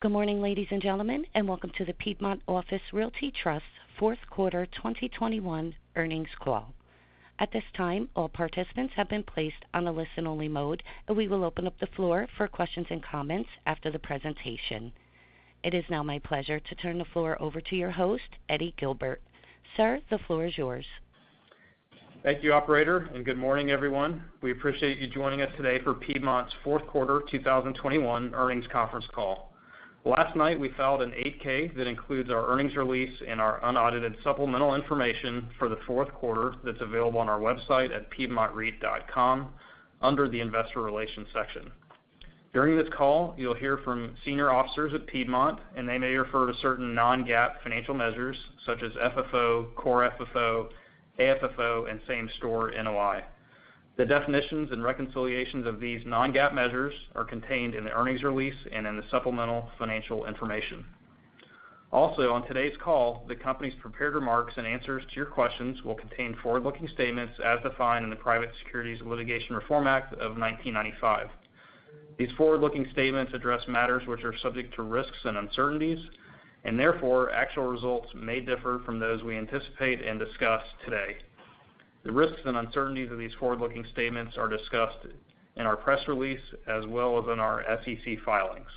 Good morning, ladies and gentlemen, and welcome to the Piedmont Office Realty Trust Fourth Quarter 2021 earnings call. At this time, all participants have been placed on a listen-only mode, and we will open up the floor for questions and comments after the presentation. It is now my pleasure to turn the floor over to your host, Eddie Guilbert. Sir, the floor is yours. Thank you, operator, and good morning, everyone. We appreciate you joining us today for Piedmont's fourth quarter 2021 earnings conference call. Last night, we filed an 8-K that includes our earnings release and our unaudited supplemental information for the fourth quarter that's available on our website at piedmontreit.com under the Investor Relations section. During this call, you'll hear from senior officers at Piedmont, and they may refer to certain non-GAAP financial measures such as FFO, Core FFO, AFFO, and Same Store NOI. The definitions and reconciliations of these non-GAAP measures are contained in the earnings release and in the supplemental financial information. Also, on today's call, the company's prepared remarks and answers to your questions will contain forward-looking statements as defined in the Private Securities Litigation Reform Act of 1995. These forward-looking statements address matters which are subject to risks and uncertainties, and therefore, actual results may differ from those we anticipate and discuss today. The risks and uncertainties of these forward-looking statements are discussed in our press release as well as in our SEC filings.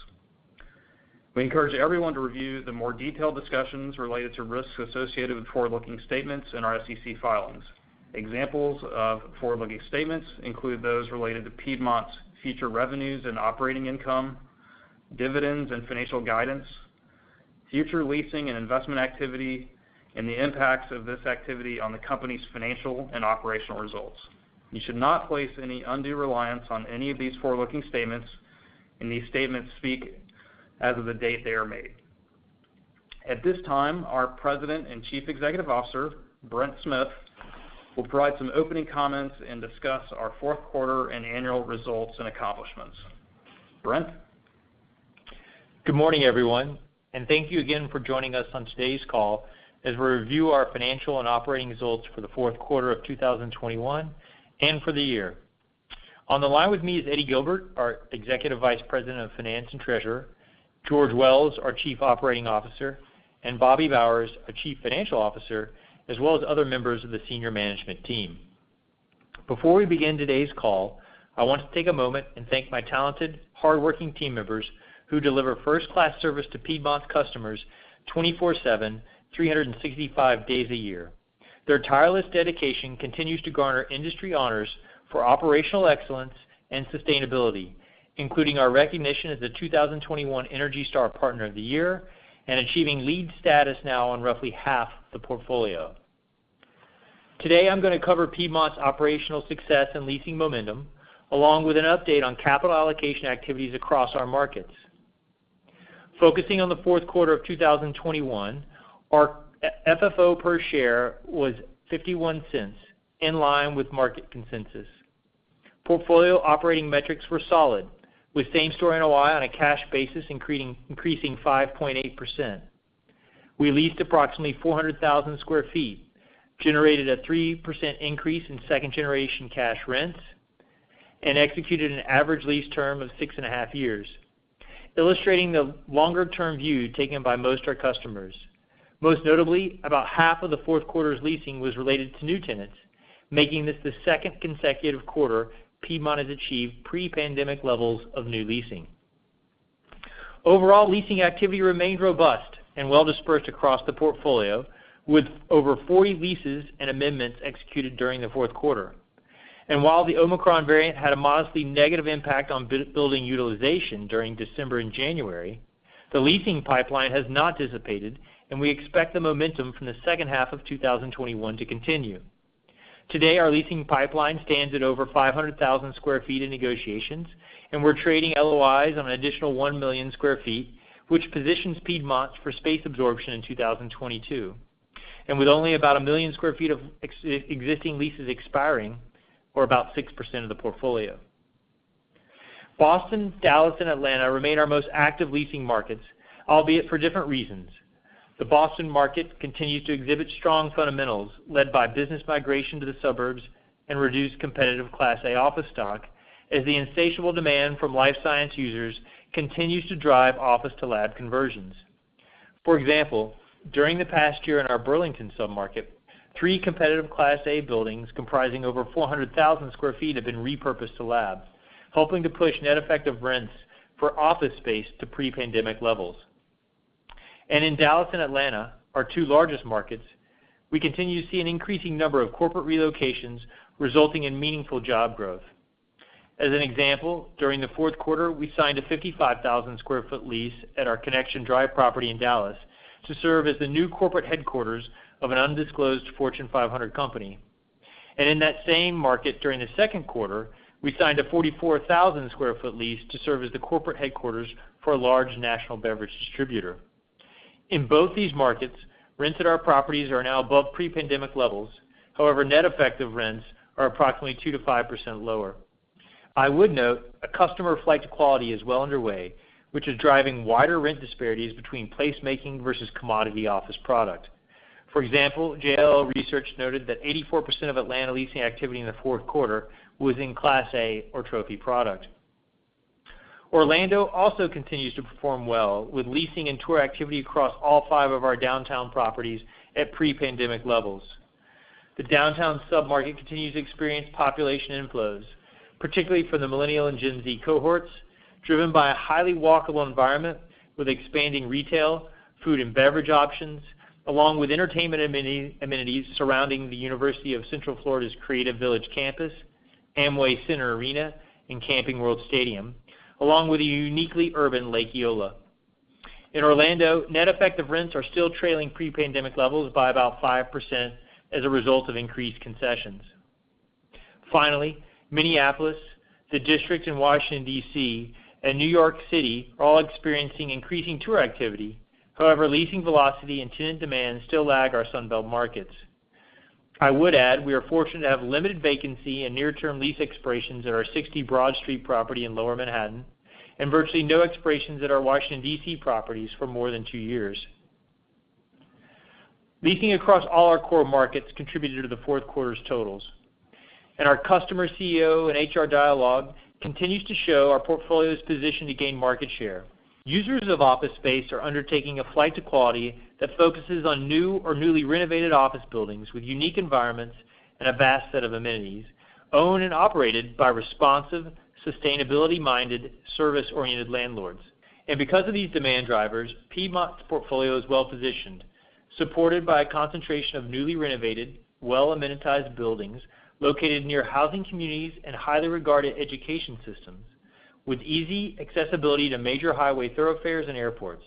We encourage everyone to review the more detailed discussions related to risks associated with forward-looking statements in our SEC filings. Examples of forward-looking statements include those related to Piedmont's future revenues and operating income, dividends and financial guidance, future leasing and investment activity, and the impacts of this activity on the company's financial and operational results. You should not place any undue reliance on any of these forward-looking statements, and these statements speak as of the date they are made. At this time, our President and Chief Executive Officer, Brent Smith, will provide some opening comments and discuss our fourth quarter and annual results and accomplishments. Brent? Good morning, everyone, and thank you again for joining us on today's call as we review our financial and operating results for the fourth quarter of 2021 and for the year. On the line with me is Eddie Guilbert, our Executive Vice President of Finance and Treasurer, George Wells, our Chief Operating Officer, and Bobby Bowers, our Chief Financial Officer, as well as other members of the senior management team. Before we begin today's call, I want to take a moment and thank my talented, hardworking team members who deliver first-class service to Piedmont customers 24/7, 365 days a year. Their tireless dedication continues to garner industry honors for operational excellence and sustainability, including our recognition as the 2021 ENERGY STAR Partner of the Year and achieving LEED status now on roughly half the portfolio. Today, I'm gonna cover Piedmont's operational success and leasing momentum along with an update on capital allocation activities across our markets. Focusing on the fourth quarter of 2021, our FFO per share was $0.51, in line with market consensus. Portfolio operating metrics were solid, with Same Store NOI on a cash basis increasing 5.8%. We leased approximately 400,000 sq ft, generated a 3% increase in second-generation cash rents, and executed an average lease term of 6.5 years, illustrating the longer-term view taken by most of our customers. Most notably, about half of the fourth quarter's leasing was related to new tenants, making this the second consecutive quarter Piedmont has achieved pre-pandemic levels of new leasing. Overall, leasing activity remained robust and well-dispersed across the portfolio, with over 40 leases and amendments executed during the fourth quarter. While the Omicron variant had a modestly negative impact on building utilization during December and January, the leasing pipeline has not dissipated, and we expect the momentum from the second half of 2021 to continue. Today, our leasing pipeline stands at over 500,000 sq ft in negotiations, and we're trading LOIs on an additional 1,000,000 sq ft, which positions Piedmont for space absorption in 2022, and with only about 1,000,000 sq ft of existing leases expiring, or about 6% of the portfolio. Boston, Dallas, and Atlanta remain our most active leasing markets, albeit for different reasons. The Boston market continues to exhibit strong fundamentals led by business migration to the suburbs and reduced competitive Class A office stock as the insatiable demand from life science users continues to drive office-to-lab conversions. For example, during the past year in our Burlington sub-market, three competitive Class A buildings comprising over 400,000 sq ft have been repurposed to labs, helping to push net effective rents for office space to pre-pandemic levels. In Dallas and Atlanta, our two largest markets, we continue to see an increasing number of corporate relocations resulting in meaningful job growth. As an example, during the fourth quarter, we signed a 55,000 sq ft lease at our Connection Drive property in Dallas to serve as the new corporate headquarters of an undisclosed Fortune 500 company. In that same market during the second quarter, we signed a 44,000 sq ft lease to serve as the corporate headquarters for a large national beverage distributor. In both these markets, rents at our properties are now above pre-pandemic levels. However, net effective rents are approximately 2%-5% lower. I would note a customer flight to quality is well underway, which is driving wider rent disparities between placemaking versus commodity office product. For example, JLL Research noted that 84% of Atlanta leasing activity in the fourth quarter was in Class A or trophy product. Orlando also continues to perform well, with leasing and tour activity across all five of our downtown properties at pre-pandemic levels. The downtown sub-market continues to experience population inflows, particularly for the Millennial and Gen Z cohorts, driven by a highly walkable environment with expanding retail, food and beverage options, along with entertainment amenities surrounding the University of Central Florida's Creative Village campus, Amway Center Arena, and Camping World Stadium, along with a uniquely urban Lake Eola. In Orlando, net effective rents are still trailing pre-pandemic levels by about 5% as a result of increased concessions. Finally, Minneapolis, the District in Washington, D.C., and New York City are all experiencing increasing tour activity. However, leasing velocity and tenant demand still lag our Sunbelt markets. I would add we are fortunate to have limited vacancy and near-term lease expirations at our 60 Broad Street property in Lower Manhattan, and virtually no expirations at our Washington, D.C. properties for more than two years. Leasing across all our core markets contributed to the fourth quarter's totals. Our customer CEO and HR dialogue continues to show our portfolio is positioned to gain market share. Users of office space are undertaking a flight to quality that focuses on new or newly renovated office buildings with unique environments and a vast set of amenities, owned and operated by responsive, sustainability-minded, service-oriented landlords. Because of these demand drivers, Piedmont's portfolio is well-positioned, supported by a concentration of newly renovated, well-amenitized buildings located near housing communities and highly regarded education systems, with easy accessibility to major highway thoroughfares and airports.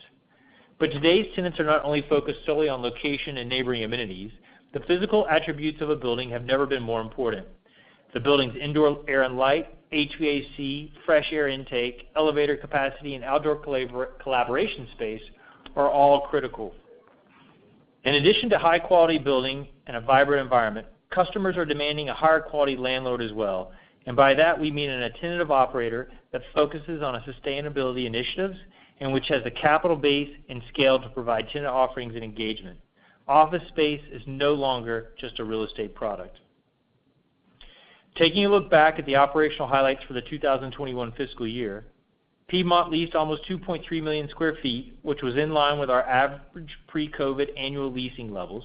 Today's tenants are not only focused solely on location and neighboring amenities. The physical attributes of a building have never been more important. The building's indoor air and light, HVAC, fresh air intake, elevator capacity, and outdoor collaboration space are all critical. In addition to high-quality building and a vibrant environment, customers are demanding a higher quality landlord as well. By that, we mean an attentive operator that focuses on sustainability initiatives and which has the capital base and scale to provide tenant offerings and engagement. Office space is no longer just a real estate product. Taking a look back at the operational highlights for the 2021 fiscal year, Piedmont leased almost 2.3 million sq ft, which was in line with our average pre-COVID annual leasing levels.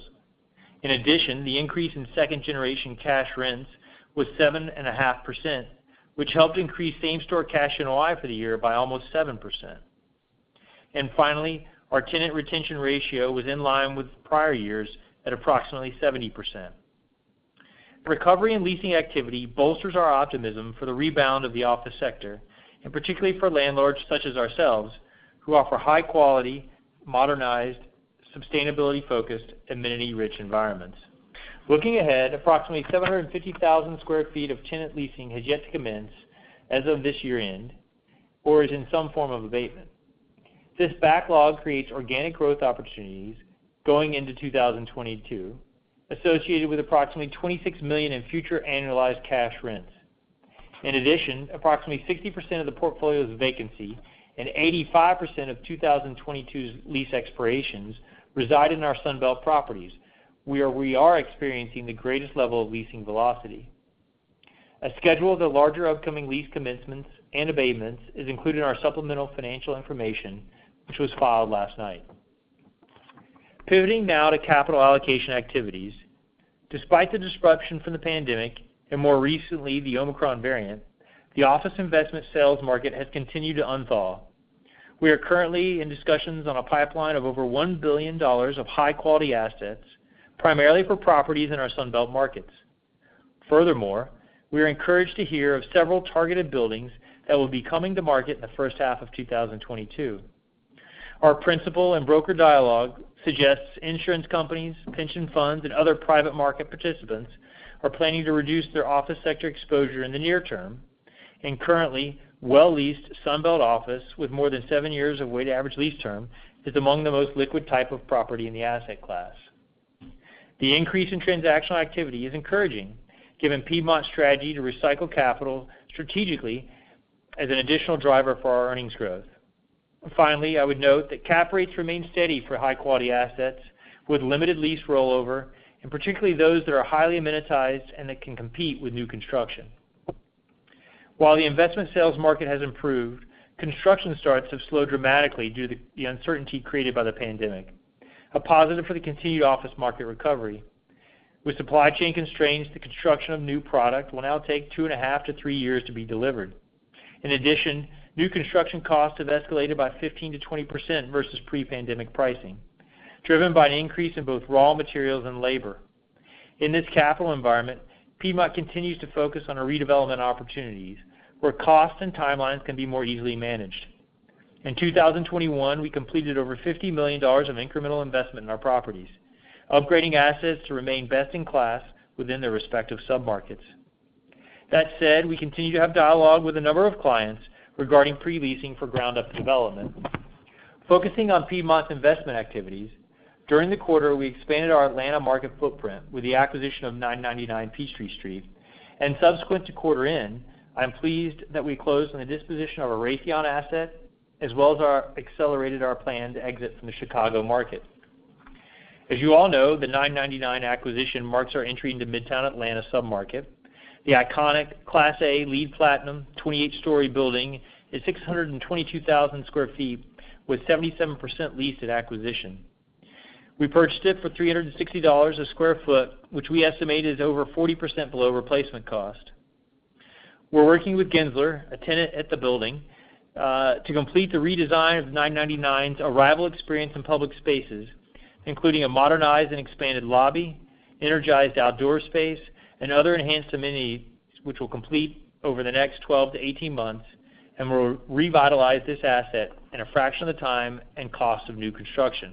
In addition, the increase in second-generation cash rents was 7.5%, which helped increase same-store cash NOI for the year by almost 7%. Finally, our tenant retention ratio was in line with prior years at approximately 70%. Recovery and leasing activity bolsters our optimism for the rebound of the office sector, and particularly for landlords such as ourselves, who offer high quality, modernized, sustainability-focused, amenity-rich environments. Looking ahead, approximately 750,000 sq ft of tenant leasing has yet to commence as of this year-end, or is in some form of abatement. This backlog creates organic growth opportunities going into 2022, associated with approximately $26 million in future annualized cash rents. In addition, approximately 60% of the portfolio's vacancy and 85% of 2022's lease expirations reside in our Sunbelt properties, where we are experiencing the greatest level of leasing velocity. A schedule of the larger upcoming lease commencements and abatements is included in our supplemental financial information, which was filed last night. Pivoting now to capital allocation activities. Despite the disruption from the pandemic, and more recently, the Omicron variant, the office investment sales market has continued to unthaw. We are currently in discussions on a pipeline of over $1 billion of high-quality assets, primarily for properties in our Sunbelt markets. Furthermore, we are encouraged to hear of several targeted buildings that will be coming to market in the first half of 2022. Our principal and broker dialogue suggests insurance companies, pension funds, and other private market participants are planning to reduce their office sector exposure in the near term. Currently, well-leased Sunbelt office with more than seven years of weighted average lease term is among the most liquid type of property in the asset class. The increase in transactional activity is encouraging, given Piedmont's strategy to recycle capital strategically as an additional driver for our earnings growth. Finally, I would note that cap rates remain steady for high-quality assets with limited lease rollover, and particularly those that are highly amenitized and that can compete with new construction. While the investment sales market has improved, construction starts have slowed dramatically due to the uncertainty created by the pandemic, a positive for the continued office market recovery. With supply chain constraints, the construction of new product will now take 2.5-3 years to be delivered. In addition, new construction costs have escalated by 15%-20% versus pre-pandemic pricing, driven by an increase in both raw materials and labor. In this capital environment, Piedmont continues to focus on our redevelopment opportunities where costs and timelines can be more easily managed. In 2021, we completed over $50 million of incremental investment in our properties, upgrading assets to remain best-in-class within their respective submarkets. That said, we continue to have dialogue with a number of clients regarding pre-leasing for ground-up development. Focusing on Piedmont's investment activities, during the quarter, we expanded our Atlanta market footprint with the acquisition of 999 Peachtree Street. Subsequent to quarter end, I'm pleased that we closed on the disposition of a Raytheon asset as well as our accelerated plan to exit from the Chicago market. As you all know, the 999 acquisition marks our entry into midtown Atlanta sub-market. The iconic Class A LEED Platinum 28-story building is 622,000 sq ft with 77% leased at acquisition. We purchased it for $360/sq ft, which we estimated is over 40% below replacement cost. We're working with Gensler, a tenant at the building, to complete the redesign of 999's arrival experience in public spaces, including a modernized and expanded lobby, energized outdoor space and other enhanced amenities which we'll complete over the next 12-18 months, and will revitalize this asset in a fraction of the time and cost of new construction.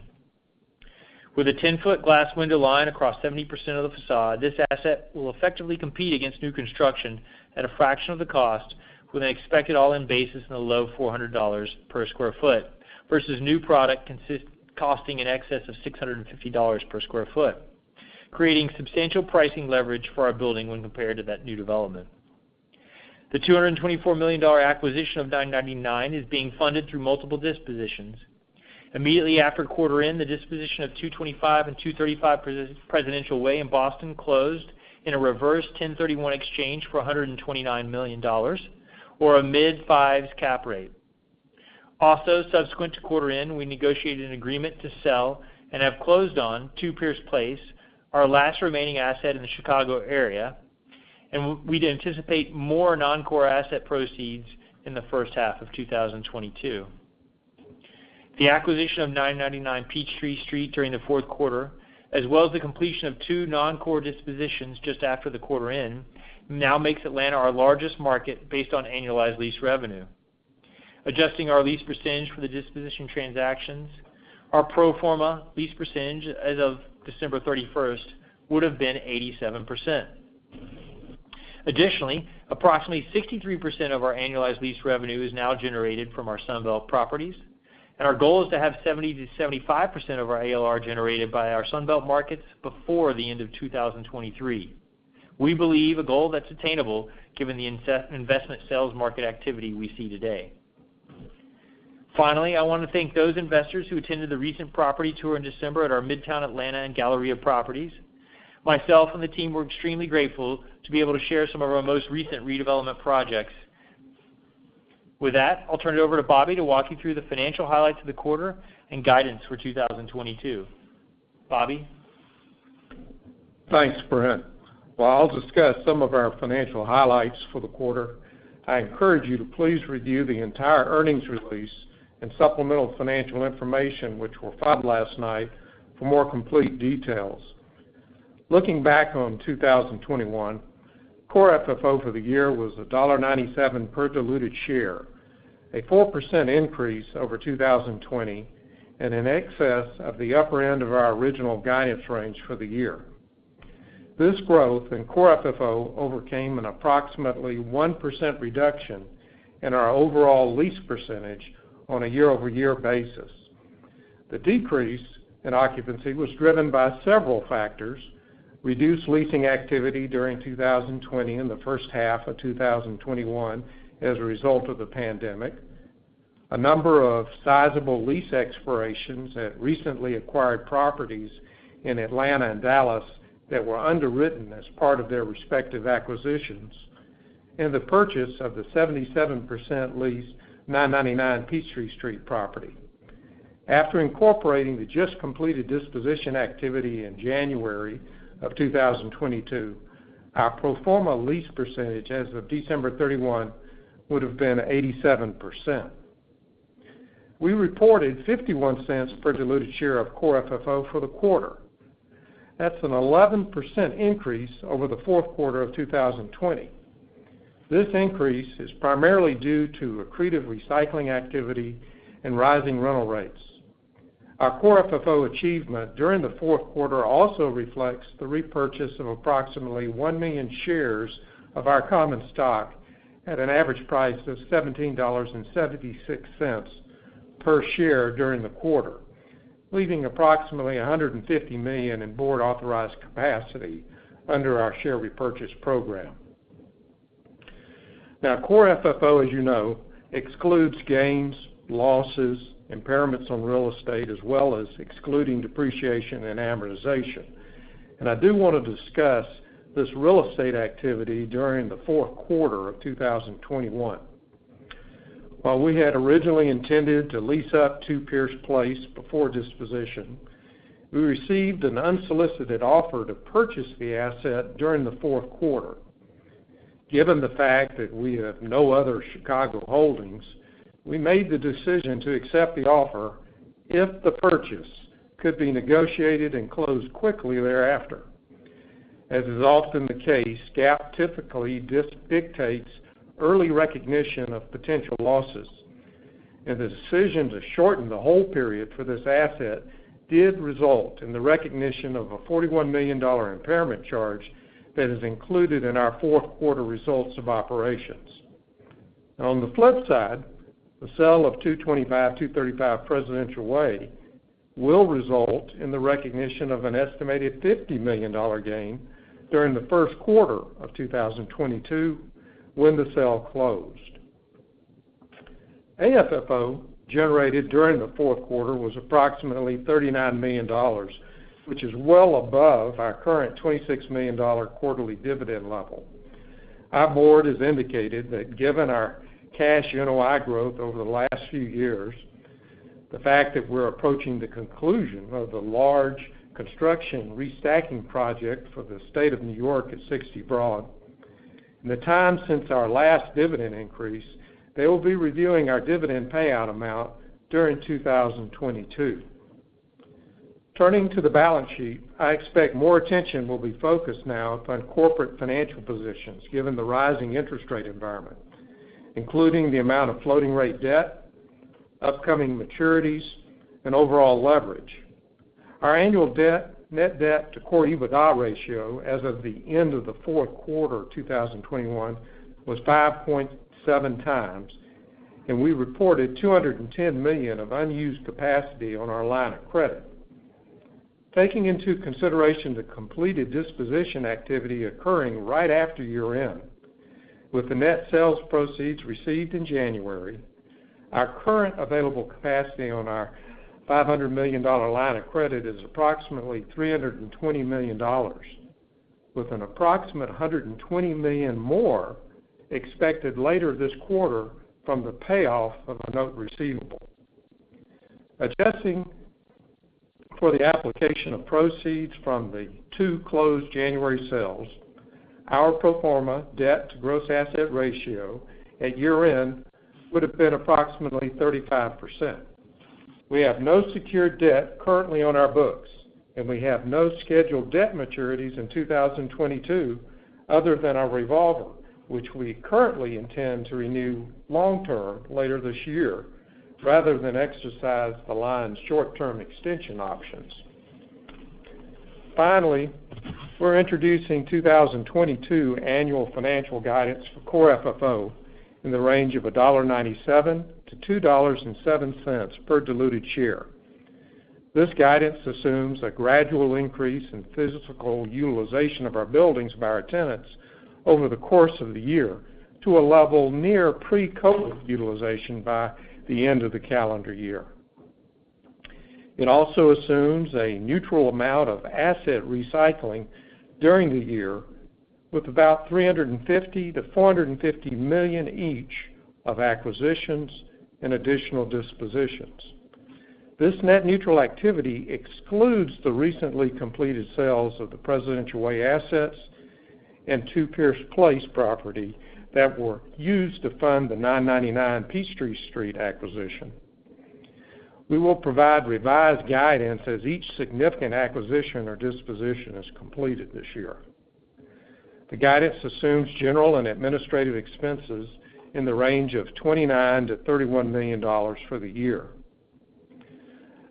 With a 10-foot glass window line across 70% of the facade, this asset will effectively compete against new construction at a fraction of the cost with an expected all-in basis in the low $400 per sq ft versus new product costing in excess of $650 per sq ft, creating substantial pricing leverage for our building when compared to that new development. The $224 million acquisition of 999 is being funded through multiple dispositions. Immediately after quarter end, the disposition of 225 and 235 Presidential Way in Boston closed in a reverse 1031 exchange for $129 million or a mid-5s cap rate. Also, subsequent to quarter end, we negotiated an agreement to sell and have closed on Two Pierce Place, our last remaining asset in the Chicago area, and we'd anticipate more non-core asset proceeds in the first half of 2022. The acquisition of 999 Peachtree Street during the fourth quarter, as well as the completion of two non-core dispositions just after the quarter end, now makes Atlanta our largest market based on annualized lease revenue. Adjusting our lease percentage for the disposition transactions, our pro forma lease percentage as of December 31st would have been 87%. Additionally, approximately 63% of our Annualized Lease Revenue is now generated from our Sunbelt properties, and our goal is to have 70%-75% of our ALR generated by our Sunbelt markets before the end of 2023. We believe a goal that's attainable given the investment sales market activity we see today. Finally, I wanna thank those investors who attended the recent property tour in December at our Midtown Atlanta and Galleria properties. Myself and the team were extremely grateful to be able to share some of our most recent redevelopment projects. With that, I'll turn it over to Bobby to walk you through the financial highlights of the quarter and guidance for 2022. Bobby? Thanks, Brent. While I'll discuss some of our financial highlights for the quarter, I encourage you to please review the entire earnings release and supplemental financial information which were filed last night for more complete details. Looking back on 2021, Core FFO for the year was $1.97 per diluted share, a 4% increase over 2020 and in excess of the upper end of our original guidance range for the year. This growth in Core FFO overcame an approximately 1% reduction in our overall lease percentage on a year-over-year basis. The decrease in occupancy was driven by several factors, reduced leasing activity during 2020 and the first half of 2021 as a result of the pandemic, a number of sizable lease expirations at recently acquired properties in Atlanta and Dallas that were underwritten as part of their respective acquisitions, and the purchase of the 77% leased 999 Peachtree Street property. After incorporating the just-completed disposition activity in January of 2022, our pro forma lease percentage as of December 31 would have been 87%. We reported $0.51 per diluted share of Core FFO for the quarter. That's an 11% increase over the fourth quarter of 2020. This increase is primarily due to accretive recycling activity and rising rental rates. Our Core FFO achievement during the fourth quarter also reflects the repurchase of approximately 1 million shares of our common stock at an average price of $17.76 per share during the quarter, leaving approximately $150 million in board-authorized capacity under our share repurchase program. Now, Core FFO, as you know, excludes gains, losses, impairments on real estate, as well as excluding depreciation and amortization. I do wanna discuss this real estate activity during the fourth quarter of 2021. While we had originally intended to lease up Two Pierce Place before disposition, we received an unsolicited offer to purchase the asset during the fourth quarter. Given the fact that we have no other Chicago holdings, we made the decision to accept the offer if the purchase could be negotiated and closed quickly thereafter. As is often the case, GAAP typically dictates early recognition of potential losses. The decision to shorten the hold period for this asset did result in the recognition of a $41 million impairment charge that is included in our fourth quarter results of operations. Now on the flip side, the sale of 225, 235 Presidential Way will result in the recognition of an estimated $50 million gain during the first quarter of 2022 when the sale closed. AFFO generated during the fourth quarter was approximately $39 million, which is well above our current $26 million quarterly dividend level. Our board has indicated that given our cash NOI growth over the last few years, the fact that we're approaching the conclusion of the large construction restacking project for the state of New York at 60 Broad, and the time since our last dividend increase, they will be reviewing our dividend payout amount during 2022. Turning to the balance sheet, I expect more attention will be focused now on corporate financial positions given the rising interest rate environment, including the amount of floating rate debt, upcoming maturities and overall leverage. Our annualized net debt to core EBITDA ratio as of the end of the fourth quarter 2021 was 5.7x, and we reported $210 million of unused capacity on our line of credit. Taking into consideration the completed disposition activity occurring right after year-end, with the net sales proceeds received in January, our current available capacity on our $500 million line of credit is approximately $320 million, with an approximate $120 million more expected later this quarter from the payoff of a note receivable. Adjusting for the application of proceeds from the two closed January sales, our pro forma debt to gross asset ratio at year-end would have been approximately 35%. We have no secured debt currently on our books, and we have no scheduled debt maturities in 2022 other than our revolver, which we currently intend to renew long term later this year rather than exercise the line's short-term extension options. Finally, we're introducing 2022 annual financial guidance for Core FFO in the range of $1.97-$2.07 per diluted share. This guidance assumes a gradual increase in physical utilization of our buildings by our tenants over the course of the year to a level near pre-COVID utilization by the end of the calendar year. It also assumes a neutral amount of asset recycling during the year with about $350 million-$450 million each of acquisitions and additional dispositions. This net neutral activity excludes the recently completed sales of the Presidential Way assets and Two Pierce Place property that were used to fund the 999 Peachtree Street acquisition. We will provide revised guidance as each significant acquisition or disposition is completed this year. The guidance assumes general and administrative expenses in the range of $29 million-$31 million for the year.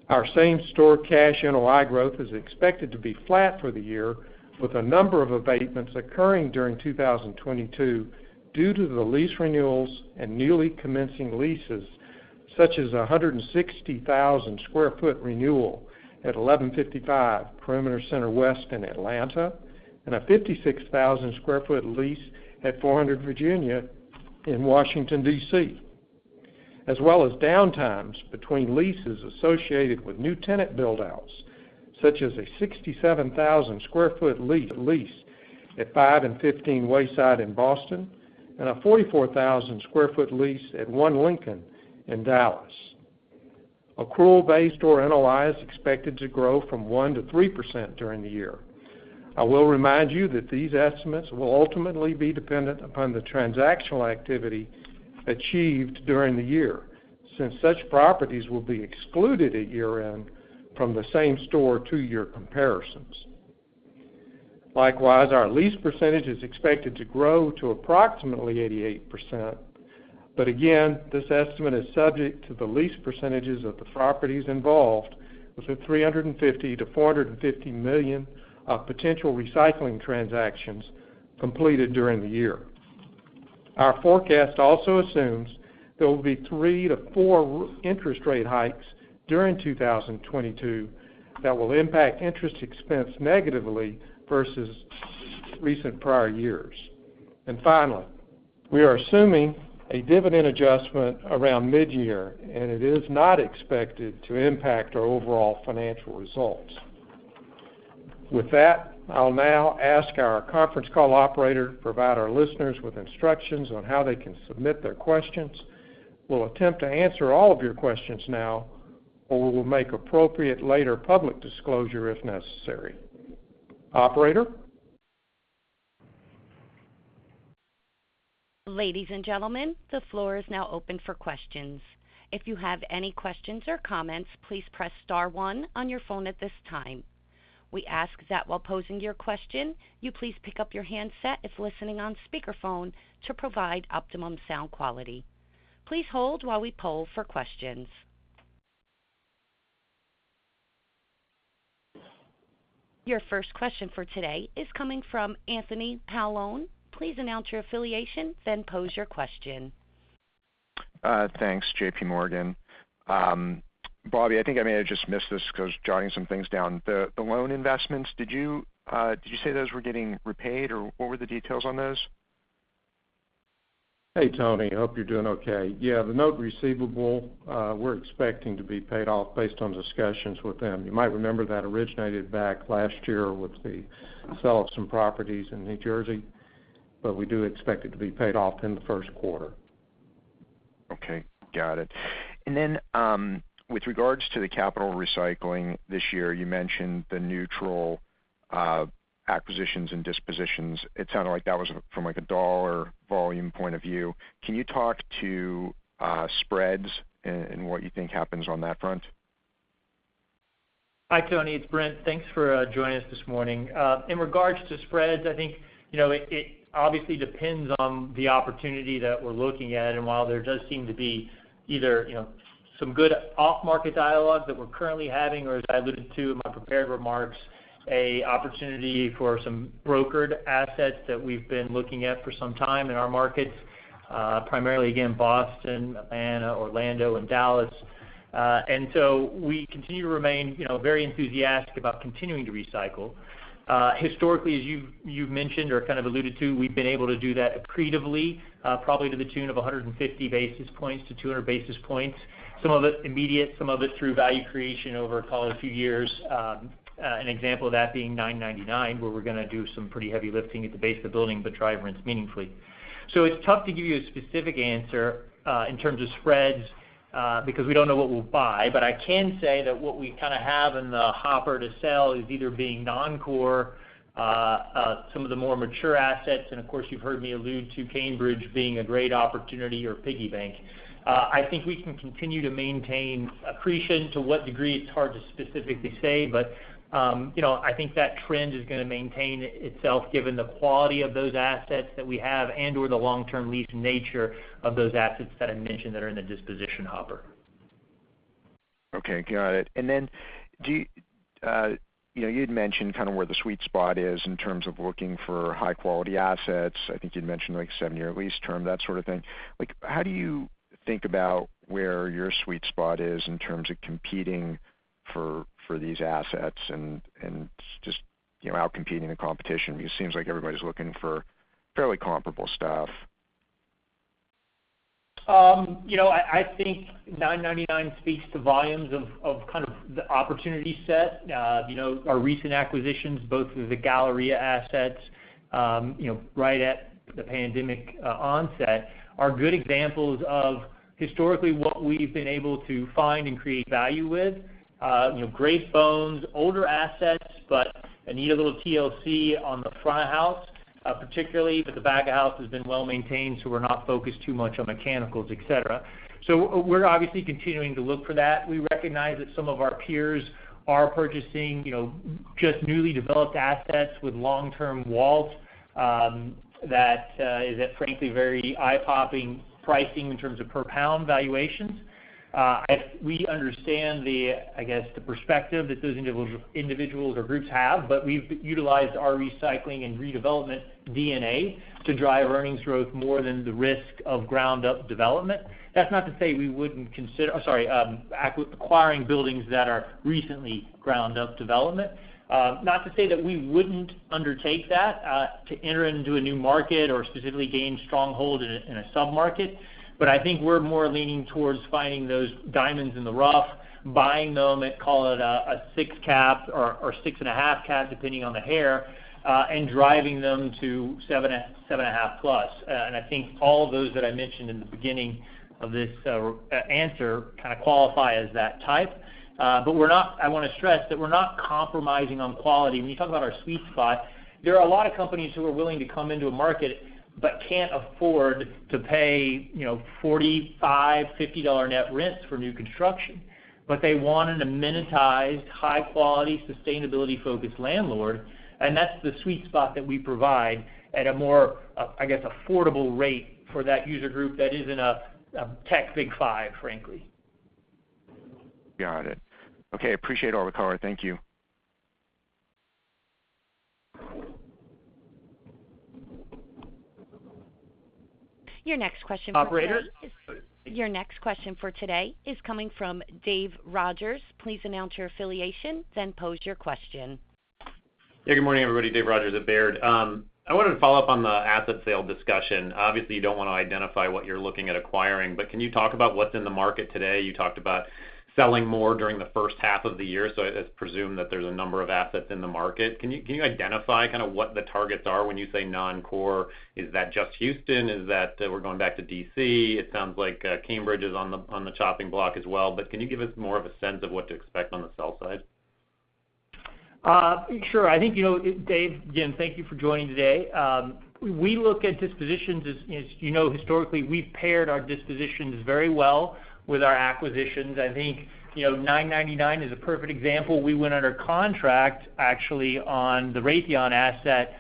Our Same Store cash NOI growth is expected to be flat for the year with a number of abatements occurring during 2022 due to the lease renewals and newly commencing leases, such as a 160,000 sq ft renewal at 1155 Perimeter Center West in Atlanta and a 56,000 sq ft lease at 400 Virginia Avenue in Washington, D.C., as well as downtimes between leases associated with new tenant build outs, such as a 67,000 sq ft lease at 5 & 15 Wayside Road in Boston, and a 44,000 sq ft lease at One Lincoln in Dallas. Accrual-based NOI is expected to grow 1%-3% during the year. I will remind you that these estimates will ultimately be dependent upon the transactional activity achieved during the year since such properties will be excluded at year-end from the same-store two-year comparisons. Likewise, our lease percentage is expected to grow to approximately 88%. Again, this estimate is subject to the lease percentages of the properties involved with the $350 million-$450 million of potential recycling transactions completed during the year. Our forecast also assumes there will be 3-4 interest rate hikes during 2022 that will impact interest expense negatively versus recent prior years. Finally, we are assuming a dividend adjustment around mid-year, and it is not expected to impact our overall financial results. With that, I'll now ask our conference call operator to provide our listeners with instructions on how they can submit their questions. We'll attempt to answer all of your questions now, or we will make appropriate later public disclosure if necessary. Operator? Ladies and gentlemen, the floor is now open for questions. If you have any questions or comments, please press star one on your phone at this time. We ask that while posing your question, you please pick up your handset if listening on speakerphone to provide optimum sound quality. Please hold while we poll for questions. Your first question for today is coming from Anthony Paolone. Please announce your affiliation, then pose your question. Thanks, JPMorgan. Bobby, I think I may have just missed this because jotting some things down. The loan investments, did you say those were getting repaid, or what were the details on those? Hey, Tony. Hope you're doing okay. Yeah, the note receivable, we're expecting to be paid off based on discussions with them. You might remember that originated back last year with the sale of some properties in New Jersey, but we do expect it to be paid off in the first quarter. Okay, got it. With regards to the capital recycling this year, you mentioned the neutral acquisitions and dispositions. It sounded like that was from, like, a dollar volume point of view. Can you talk to spreads and what you think happens on that front? Hi, Tony, it's Brent. Thanks for joining us this morning. In regards to spreads, I think, you know, it obviously depends on the opportunity that we're looking at. While there does seem to be either, you know, some good off-market dialogue that we're currently having, or as I alluded to in my prepared remarks, an opportunity for some brokered assets that we've been looking at for some time in our markets, primarily again, Boston, Atlanta, Orlando and Dallas. We continue to remain, you know, very enthusiastic about continuing to recycle. Historically, as you've mentioned or kind of alluded to, we've been able to do that accretively, probably to the tune of 150 basis points to 200 basis points. Some of it immediate, some of it through value creation over, call it, a few years. An example of that being 999, where we're gonna do some pretty heavy lifting at the base of the building but drive rents meaningfully. It's tough to give you a specific answer in terms of spreads because we don't know what we'll buy. I can say that what we kind of have in the hopper to sell is either being non-core, some of the more mature assets, and of course, you've heard me allude to Cambridge being a great opportunity or piggy bank. I think we can continue to maintain accretion. To what degree, it's hard to specifically say, but you know, I think that trend is gonna maintain itself given the quality of those assets that we have and/or the long-term lease nature of those assets that I mentioned that are in the disposition hopper. Okay, got it. You know, you'd mentioned kind of where the sweet spot is in terms of looking for high-quality assets. I think you'd mentioned like seven-year lease term, that sort of thing. Like, how do you think about where your sweet spot is in terms of competing for these assets and just, you know, outcompeting the competition? It seems like everybody's looking for fairly comparable stuff. You know, I think 999 speaks volumes about kind of the opportunity set. You know, our recent acquisitions, both the Galleria assets, you know, right at the pandemic onset, are good examples of historically what we've been able to find and create value with. You know, great bones, older assets, but they need a little TLC on the front of house, particularly, but the back of house has been well-maintained, so we're not focused too much on mechanicals, et cetera. We're obviously continuing to look for that. We recognize that some of our peers are purchasing, you know, just newly developed assets with long-term leases that is at, frankly, very eye-popping pricing in terms of per pound valuations. We understand the, I guess, the perspective that those individuals or groups have, but we've utilized our recycling and redevelopment DNA to drive earnings growth more than the risk of ground-up development. That's not to say we wouldn't consider acquiring buildings that are recently ground-up development. Not to say that we wouldn't undertake that to enter into a new market or specifically gain stronghold in a sub-market, but I think we're more leaning towards finding those diamonds in the rough, buying them at call it a 6 cap or 6.5 cap, depending on the hair, and driving them to 7 and 7.5+. I think all of those that I mentioned in the beginning of this answer kind of qualify as that type. I wanna stress that we're not compromising on quality. When you talk about our sweet spot, there are a lot of companies who are willing to come into a market but can't afford to pay, you know, $45-$50 net rents for new construction. They want an amenitized, high-quality, sustainability-focused landlord, and that's the sweet spot that we provide at a more, I guess, affordable rate for that user group that isn't a tech Big Five, frankly. Got it. Okay, appreciate all the color. Thank you. Your next question for today is. Operator? Your next question for today is coming from Dave Rodgers. Please announce your affiliation, then pose your question. Yeah. Good morning, everybody. Dave Rodgers at Baird. I wanted to follow up on the asset sale discussion. Obviously, you don't wanna identify what you're looking at acquiring, but can you talk about what's in the market today? You talked about selling more during the first half of the year, so I presume that there's a number of assets in the market. Can you identify kind of what the targets are when you say non-core? Is that just Houston? Is that where we're going back to D.C.? It sounds like Cambridge is on the chopping block as well. But can you give us more of a sense of what to expect on the sell side? Sure. I think, you know, Dave, again, thank you for joining today. We look at dispositions, as you know, historically, we've paired our dispositions very well with our acquisitions. I think, you know, 999 is a perfect example. We went under contract actually on the Raytheon asset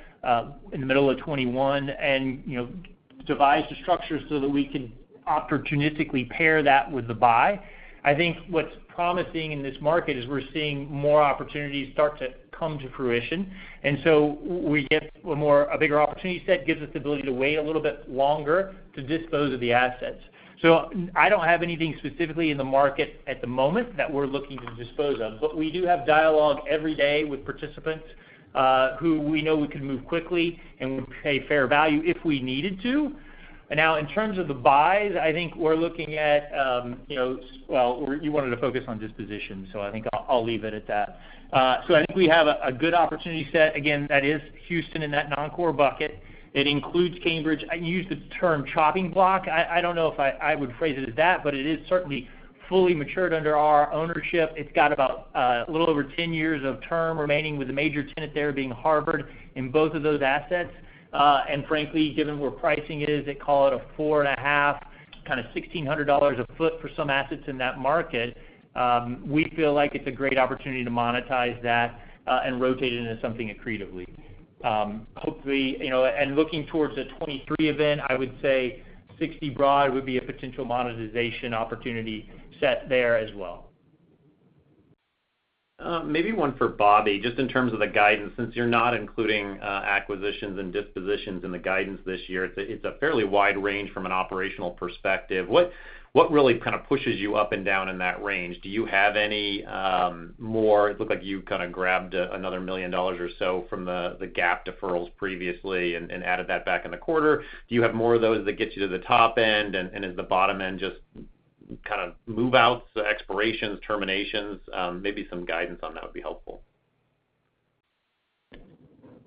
in the middle of 2021 and, you know, we devised the structure so that we can opportunistically pair that with the buy. I think what's promising in this market is we're seeing more opportunities start to come to fruition. We get a bigger opportunity set that gives us the ability to wait a little bit longer to dispose of the assets. I don't have anything specifically in the market at the moment that we're looking to dispose of, but we do have dialogue every day with participants who we know we can move quickly and would pay fair value if we needed to. Now in terms of the buys. Well, you wanted to focus on dispositions, so I think I'll leave it at that. I think we have a good opportunity set. Again, that is Houston in that non-core bucket. It includes Cambridge. I use the term chopping block. I don't know if I would phrase it as that, but it is certainly fully matured under our ownership. It's got about a little over 10 years of term remaining with a major tenant there being Harvard in both of those assets. Frankly, given where pricing is, they call it a 4.5, kind of $1,600 a foot for some assets in that market. We feel like it's a great opportunity to monetize that, and rotate it into something accretively. Hopefully, you know, and looking towards the 2023 event, I would say 60 Broad would be a potential monetization opportunity set there as well. Maybe one for Bobby, just in terms of the guidance. Since you're not including acquisitions and dispositions in the guidance this year, it's a fairly wide range from an operational perspective. What really kind of pushes you up and down in that range? Do you have any more? It looked like you kind of grabbed another $1 million or so from the GAAP deferrals previously and added that back in the quarter. Do you have more of those that get you to the top end and is the bottom end just kind of move-outs, expirations, terminations? Maybe some guidance on that would be helpful.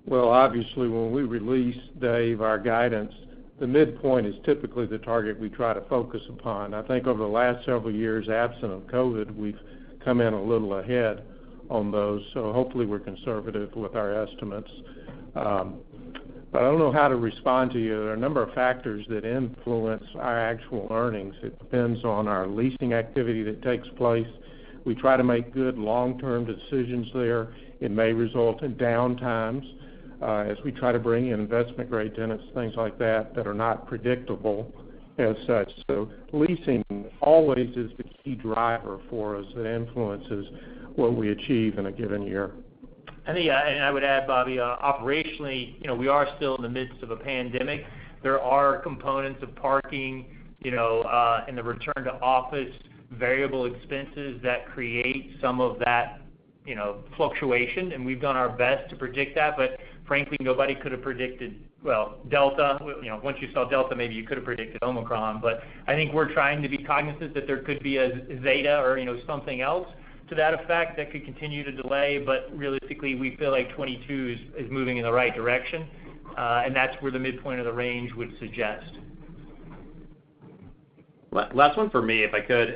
Well, obviously, when we release, Dave, our guidance, the midpoint is typically the target we try to focus upon. I think over the last several years, absent of COVID, we've come in a little ahead on those. Hopefully we're conservative with our estimates. But I don't know how to respond to you. There are a number of factors that influence our actual earnings. It depends on our leasing activity that takes place. We try to make good long-term decisions there. It may result in down times, as we try to bring in investment-grade tenants, things like that are not predictable as such. Leasing always is the key driver for us that influences what we achieve in a given year. I think I would add, Bobby, operationally, you know, we are still in the midst of a pandemic. There are components of parking, you know, in the return to office, variable expenses that create some of that, you know, fluctuation. We've done our best to predict that. Frankly, nobody could have predicted, well, Delta. You know, once you saw Delta, maybe you could have predicted Omicron. I think we're trying to be cognizant that there could be a Zeta or, you know, something else to that effect that could continue to delay. Realistically, we feel like 2022 is moving in the right direction. That's where the midpoint of the range would suggest. Last one for me, if I could.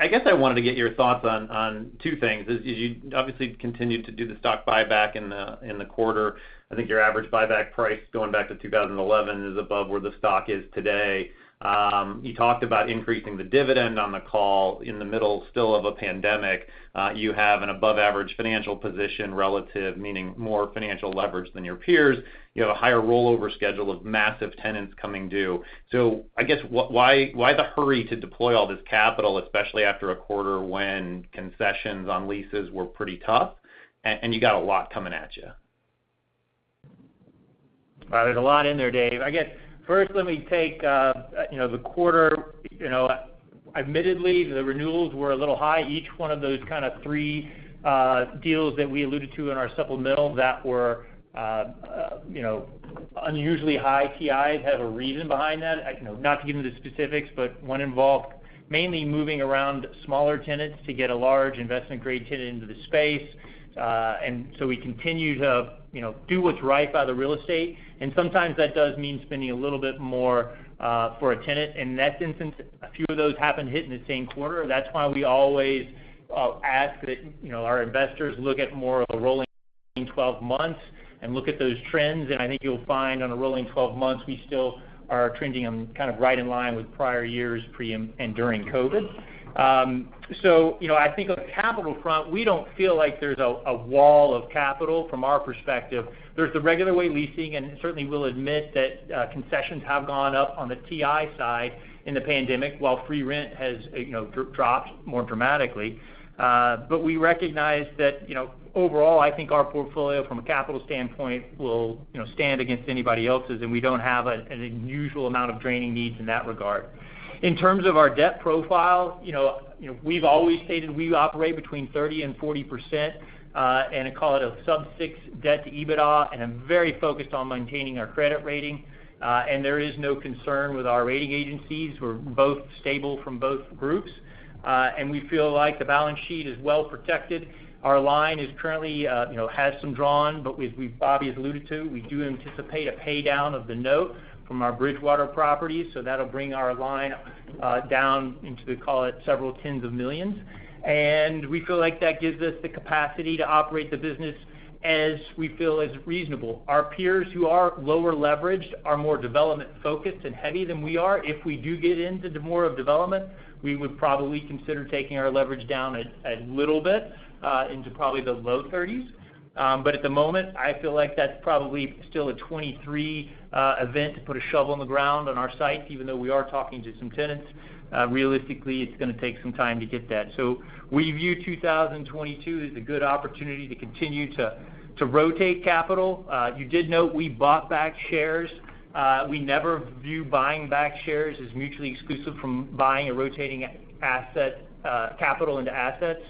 I guess I wanted to get your thoughts on two things. You've obviously continued to do the stock buyback in the quarter. I think your average buyback price going back to 2011 is above where the stock is today. You talked about increasing the dividend on the call in the middle still of a pandemic. You have an above average financial position relative, meaning more financial leverage than your peers. You have a higher rollover schedule of massive tenants coming due. I guess why the hurry to deploy all this capital, especially after a quarter when concessions on leases were pretty tough and you got a lot coming at you? Well, there's a lot in there, Dave. I guess first let me take, you know, the quarter. You know, admittedly, the renewals were a little high. Each one of those kind of three deals that we alluded to in our supplemental that were, you know, unusually high. TIs have a reason behind that. You know, not to get into the specifics, but one involved mainly moving around smaller tenants to get a large investment-grade tenant into the space. And so we continue to, you know, do what's right by the real estate. And sometimes that does mean spending a little bit more for a tenant. In that instance, a few of those happened to hit in the same quarter. That's why we always ask that, you know, our investors look at more of a rolling 12 months and look at those trends. I think you'll find on a rolling twelve months, we still are trending kind of right in line with prior years pre and during COVID. You know, I think on the capital front, we don't feel like there's a wall of capital from our perspective. There's the regular way leasing, and certainly we'll admit that concessions have gone up on the TI side in the pandemic, while free rent has you know dropped more dramatically. We recognize that you know overall, I think our portfolio from a capital standpoint will you know stand against anybody else's, and we don't have an unusual amount of draining needs in that regard. In terms of our debt profile, you know, we've always stated we operate between 30% and 40%, and call it a sub-6 debt to EBITDA, and I'm very focused on maintaining our credit rating. There is no concern with our rating agencies. We're both stable from both groups, and we feel like the balance sheet is well protected. Our line is currently has some drawn, but Bobby has alluded to, we do anticipate a pay down of the note from our Bridgewater properties. That'll bring our line down into, we call it several tens of millions. We feel like that gives us the capacity to operate the business as we feel is reasonable. Our peers who are lower leveraged are more development-focused and heavy than we are. If we do get into more of development, we would probably consider taking our leverage down a little bit into probably the low 30s. At the moment, I feel like that's probably still a 2023 event to put a shovel in the ground on our site, even though we are talking to some tenants. Realistically, it's gonna take some time to get that. We view 2022 as a good opportunity to continue to rotate capital. You did note we bought back shares. We never view buying back shares as mutually exclusive from buying or rotating capital into assets.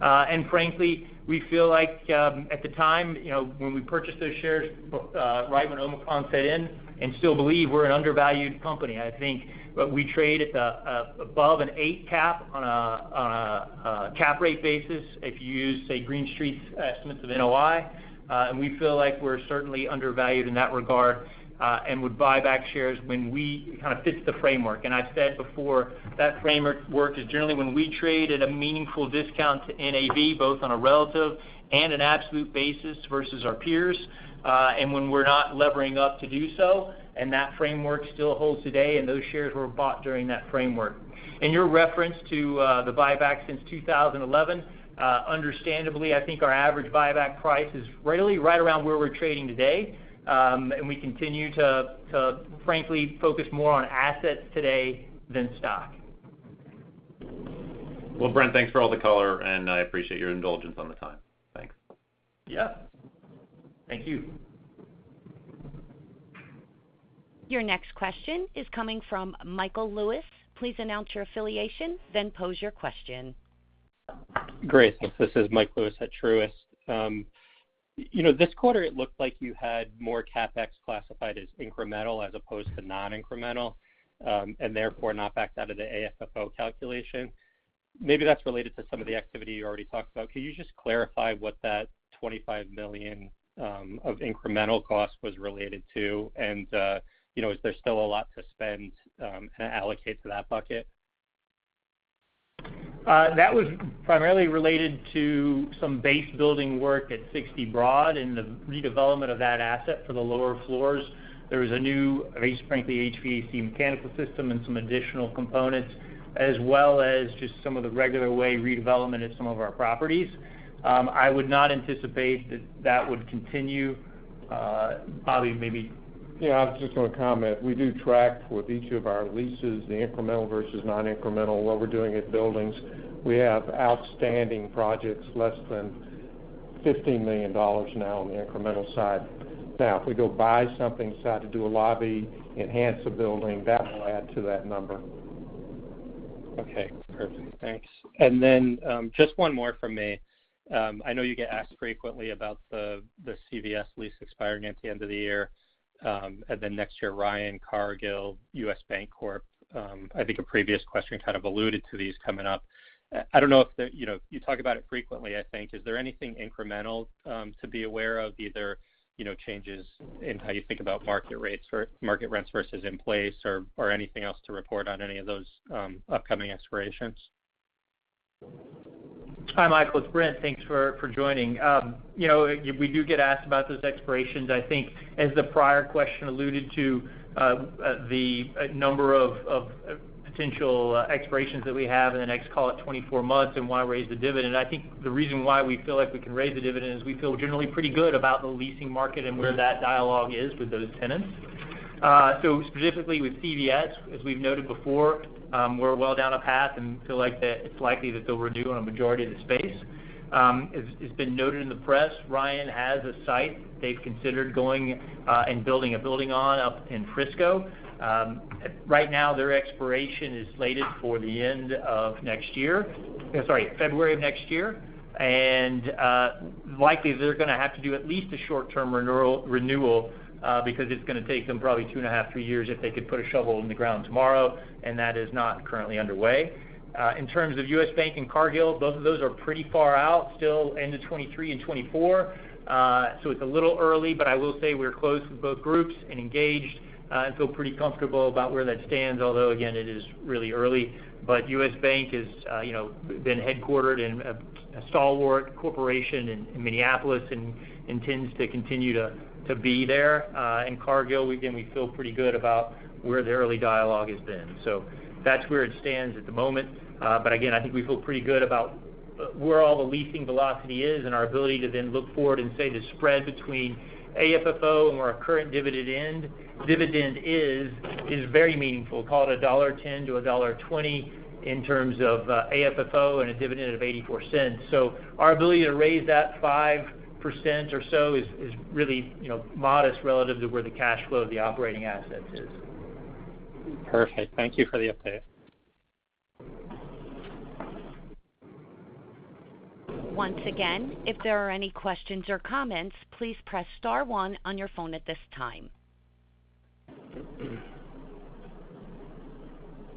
Frankly, we feel like at the time, you know, when we purchased those shares right when Omicron set in, and still believe we're an undervalued company. I think we trade at the above an 8 cap on a cap rate basis if you use, say, Green Street's estimates of NOI. We feel like we're certainly undervalued in that regard and would buy back shares when it kind of fits the framework. I've said before that framework works generally when we trade at a meaningful discount to NAV, both on a relative and an absolute basis versus our peers and when we're not levering up to do so, and that framework still holds today, and those shares were bought during that framework. Your reference to the buyback since 2011 understandably, I think our average buyback price is really right around where we're trading today and we continue to frankly focus more on assets today than stock. Well, Brent, thanks for all the color, and I appreciate your indulgence on the time. Thanks. Yeah. Thank you. Your next question is coming from Michael Lewis. Please announce your affiliation, then pose your question. Great. This is Mike Lewis at Truist. You know, this quarter it looked like you had more CapEx classified as incremental as opposed to non-incremental, and therefore not backed out of the AFFO calculation. Maybe that's related to some of the activity you already talked about. Can you just clarify what that $25 million of incremental cost was related to? You know, is there still a lot to spend and allocate to that bucket? That was primarily related to some base building work at 60 Broad and the redevelopment of that asset for the lower floors. There was a new, quite frankly, HVAC mechanical system and some additional components, as well as just some of the regular way redevelopment of some of our properties. I would not anticipate that would continue. Bobby, maybe. Yeah, I was just gonna comment. We do track with each of our leases the incremental versus non-incremental, what we're doing at buildings. We have outstanding projects, less than $50 million now on the incremental side. Now, if we go buy something, decide to do a lobby, enhance a building, that will add to that number. Okay, perfect. Thanks. Just one more from me. I know you get asked frequently about the CVS lease expiring at the end of the year, and then next year, Ryan, Cargill, U.S. Bancorp. I think a previous question kind of alluded to these coming up. I don't know if you know, you talk about it frequently, I think. Is there anything incremental to be aware of, either, you know, changes in how you think about market rates or market rents versus in-place or anything else to report on any of those upcoming expirations? Hi, Michael, it's Brent. Thanks for joining. You know, we do get asked about those expirations. I think as the prior question alluded to, the number of potential expirations that we have in the next, call it, 24 months and why raise the dividend. I think the reason why we feel like we can raise the dividend is we feel generally pretty good about the leasing market and where that dialogue is with those tenants. So specifically with CVS, as we've noted before, we're well down a path and feel like that it's likely that they'll renew on a majority of the space. It's been noted in the press, Ryan has a site they've considered going and building a building on up in Frisco. Right now, their expiration is slated for the end of next year. I'm sorry, February of next year. Likely they're gonna have to do at least a short-term renewal, because it's gonna take them probably 2.5-3 years if they could put a shovel in the ground tomorrow, and that is not currently underway. In terms of U.S. Bank and Cargill, both of those are pretty far out, still end of 2023 and 2024. So it's a little early, but I will say we're close with both groups and engaged, and feel pretty comfortable about where that stands. Although, again, it is really early. U.S. Bank is, you know, been headquartered and a stalwart corporation in Minneapolis and intends to continue to be there. And Cargill, again, we feel pretty good about where the early dialogue has been. So that's where it stands at the moment. Again, I think we feel pretty good about where all the leasing velocity is and our ability to then look forward and say the spread between AFFO and where our current dividend is very meaningful. Call it $1.10-$1.20 in terms of AFFO and a dividend of $0.84. Our ability to raise that 5% or so is really, you know, modest relative to where the cash flow of the operating assets is. Perfect. Thank you for the update. Once again, if there are any questions or comments, please press star one on your phone at this time.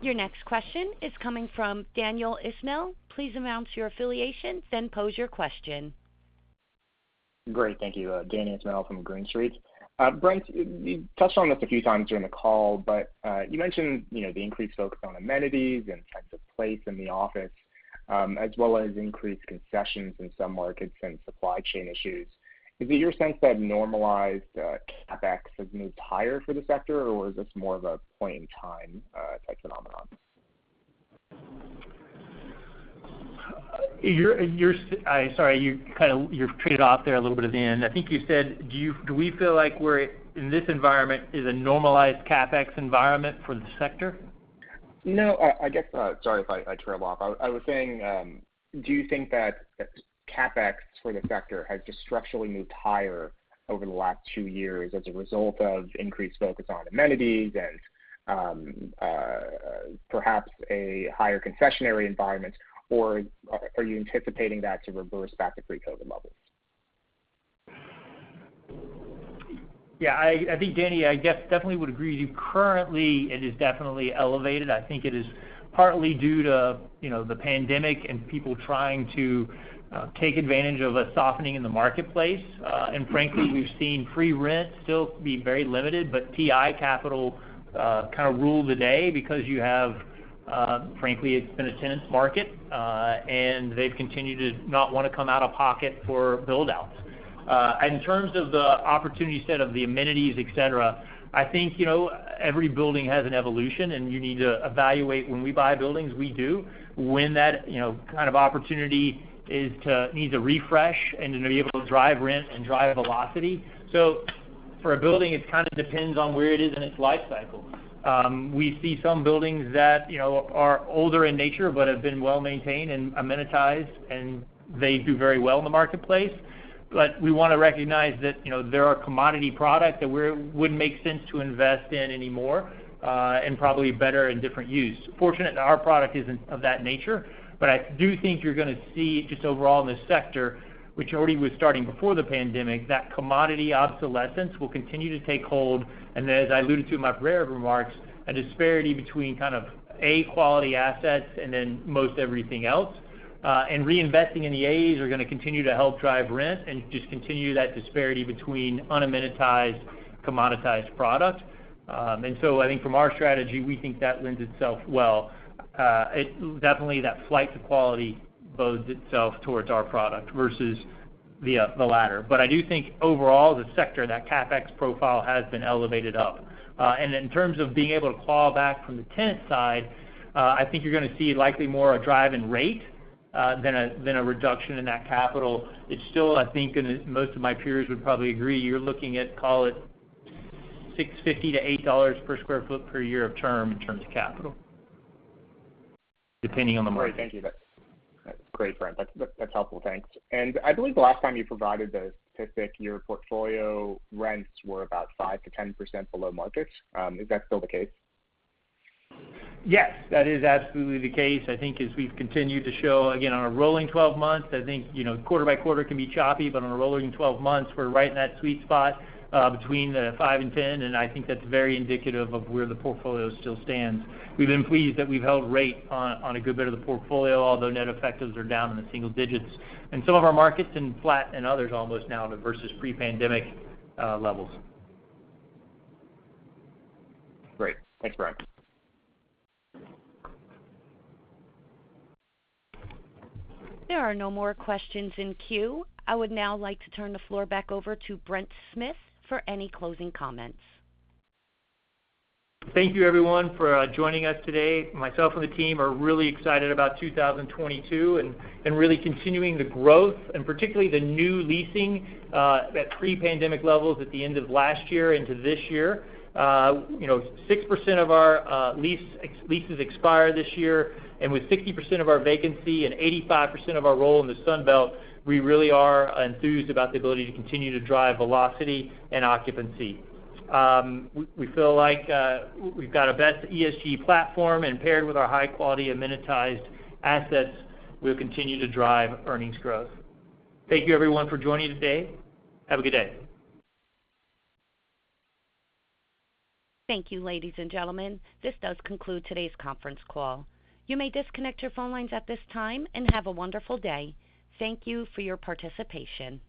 Your next question is coming from Daniel Ismail. Please announce your affiliation, then pose your question. Great. Thank you. Daniel Ismail from Green Street. Brent, you touched on this a few times during the call, but you mentioned, you know, the increased focus on amenities and sense of place in the office, as well as increased concessions in some markets and supply chain issues. Is it your sense that normalized CapEx has moved higher for the sector, or is this more of a point-in-time type phenomenon? Sorry, you trailed off there a little bit at the end. I think you said, do we feel like this environment is a normalized CapEx environment for the sector? No, I guess, sorry if I trailed off. I was saying, do you think that CapEx for the sector has just structurally moved higher over the last two years as a result of increased focus on amenities and, perhaps a higher concessionary environment, or are you anticipating that to reverse back to pre-COVID levels? Yeah, I think, Daniel, I definitely would agree with you. Currently, it is definitely elevated. I think it is partly due to, you know, the pandemic and people trying to take advantage of a softening in the marketplace. And frankly we've seen pre-leasing still be very limited, but TI capital kind of rules the day because you have, frankly, it's been a tenant market, and they've continued to not wanna come out of pocket for build-outs. In terms of the opportunity set of the amenities, et cetera, I think, you know, every building has an evolution, and you need to evaluate. When we buy buildings, we do. When that, you know, kind of opportunity needs a refresh and to be able to drive rent and drive velocity. For a building, it kind of depends on where it is in its life cycle. We see some buildings that, you know, are older in nature but have been well-maintained and amenitized, and they do very well in the marketplace. We wanna recognize that, you know, they're our commodity product that wouldn't make sense to invest in anymore, and probably better in different use. Fortunate that our product isn't of that nature, but I do think you're gonna see just overall in the sector, which already was starting before the pandemic, that commodity obsolescence will continue to take hold, and as I alluded to in my prepared remarks, a disparity between kind of A quality assets and then most everything else, and reinvesting in the As are gonna continue to help drive rent and just continue that disparity between unamenitized, commoditized product. I think from our strategy, we think that lends itself well. Definitely that flight to quality bodes itself towards our product versus the latter. I do think overall, the sector, that CapEx profile has been elevated up. In terms of being able to claw back from the tenant side, I think you're gonna see likely more a drive in rate than a reduction in that capital. It's still, I think, and most of my peers would probably agree, you're looking at, call it, $6.50-$8 per sq ft per year of term in terms of capital. Depending on the market. Great. Thank you. That's great, Brent. That's helpful. Thanks. I believe the last time you provided the statistic, your portfolio rents were about 5%-10% below market. Is that still the case? Yes. That is absolutely the case. I think as we've continued to show, again, on a rolling twelve months, I think, you know, quarter by quarter can be choppy, but on a rolling twelve months, we're right in that sweet spot between 5%-10%, and I think that's very indicative of where the portfolio still stands. We've been pleased that we've held rate on a good bit of the portfolio, although net effectives are down in the single digits. In some of our markets it's flat and others almost down versus pre-pandemic levels. Great. Thanks, Brent. There are no more questions in queue. I would now like to turn the floor back over to Brent Smith for any closing comments. Thank you, everyone, for joining us today. Myself and the team are really excited about 2022 and really continuing the growth and particularly the new leasing at pre-pandemic levels at the end of last year into this year. You know, 6% of our leases expire this year, and with 60% of our vacancy and 85% of our portfolio in the Sunbelt, we really are enthused about the ability to continue to drive velocity and occupancy. We feel like we've got the best ESG platform, and paired with our high-quality amenitized assets, we'll continue to drive earnings growth. Thank you, everyone, for joining today. Have a good day. Thank you, ladies and gentlemen. This does conclude today's conference call. You may disconnect your phone lines at this time and have a wonderful day. Thank you for your participation.